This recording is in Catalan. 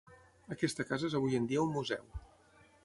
Aquesta casa és avui en dia un museu.